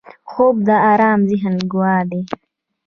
خوب د آرام ذهن ګواه دی